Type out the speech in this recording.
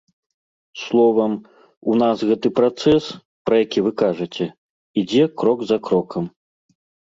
Словам, у нас гэты працэс, пра які вы кажаце, ідзе крок за крокам.